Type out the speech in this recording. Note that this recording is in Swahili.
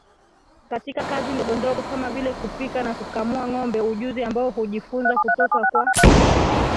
katika kazi ndogondogo kama vile kupika na kukamua ngombe ujuzi ambao hujifunza kutoka kwa